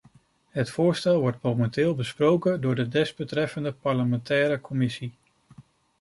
Het voorstel wordt momenteel besproken door de desbetreffende parlementaire commissie.